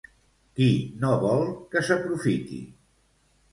Qui no vol que s'aprofiti?